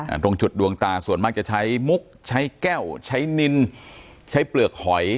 ตรงจุดดวงตาส่วนมากจะใช้มุกใช้แก้วใช้นินใช้เปลือกหอย